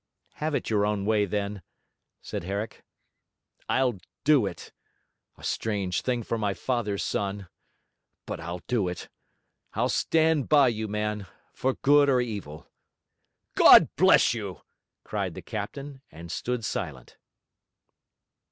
'Have it your own way then,' said Herrick. 'I'll do it: a strange thing for my father's son. But I'll do it. I'll stand by you, man, for good or evil.' 'God bless you!' cried the captain, and stood silent.